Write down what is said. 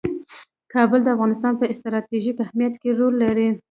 کابل د افغانستان په ستراتیژیک اهمیت کې رول لري.